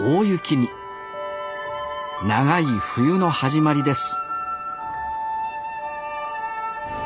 長い冬の始まりです